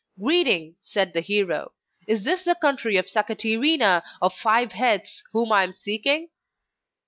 'Greeting!' said the hero. 'Is this the country of Sakatirina of five heads, whom I am seeking?